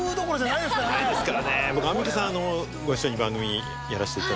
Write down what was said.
僕アンミカさんご一緒に番組やらせていただいて。